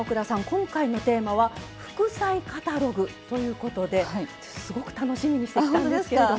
今回のテーマは副菜カタログということですごく楽しみにしてきたんですけれども。